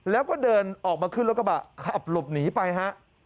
แล้วก็เดินออกมาขึ้นรถกระบะขับหลบหนีไปฮะ